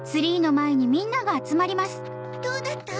どうだった？